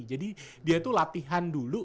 jadi dia itu latihan dulu